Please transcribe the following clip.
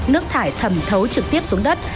nước thải thầm thấu trực tiếp xuống đất